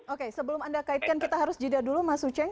oke sebelum anda kaitkan kita harus jeda dulu mas uceng